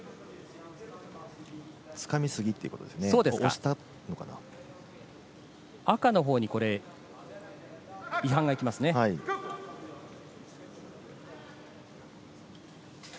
つかみすぎということですね、赤のほうにこれ、違反が行きますね。